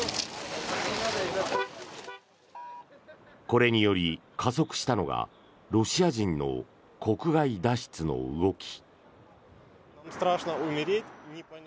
これにより加速したのがロシア人の国外脱出の動き。